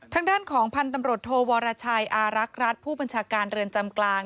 ทางด้านของพันธุ์ตำรวจโทวรชัยอารักษ์รัฐผู้บัญชาการเรือนจำกลาง